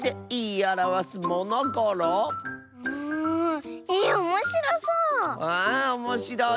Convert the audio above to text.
ああおもしろいぞ。